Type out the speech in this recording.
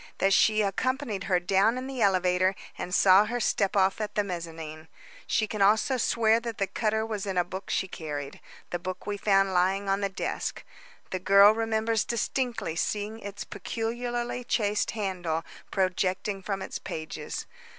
That she accompanied her down in the elevator, and saw her step off at the mezzanine. She can also swear that the cutter was in a book she carried the book we found lying on the desk. The girl remembers distinctly seeing its peculiarly chased handle projecting from its pages.